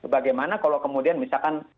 bagaimana kalau kemudian misalkan